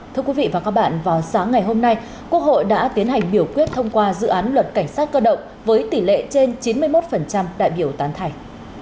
thưa quý vị và các bạn vào sáng ngày hôm nay quốc hội đã tiến hành biểu quyết thông qua dự án luật cảnh sát cơ động với tỷ lệ trên chín mươi một đại biểu tán thành